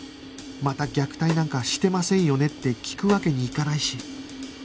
また虐待なんかしてませんよね？って聞くわけにいかないし